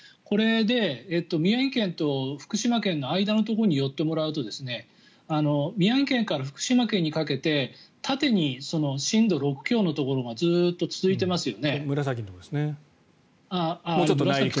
これで宮城県と福島県の間のところに寄ってもらうと宮城県から福島県にかけて縦に震度６強のところがずっと続いていますよね。